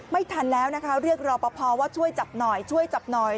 ไม่ทันแล้วนะคะเรียกรอปภว่าช่วยจับหน่อยช่วยจับหน่อย